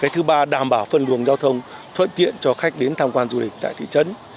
thứ ba đảm bảo phân luồng giao thông thuận tiện cho khách đến tham quan du lịch tại thị trấn